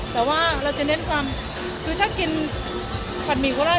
แต่ว่าเราจะเน้นความคือถ้ากินผัดหมี่โคราช